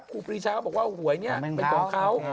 ครูปีชาบอกว่าหวยเป็นของเขา